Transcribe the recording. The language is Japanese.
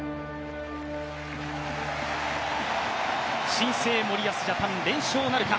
新生・森保ジャパン、連勝なるか。